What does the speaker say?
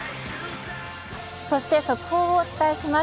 そして速報をお伝えします。